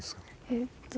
えっと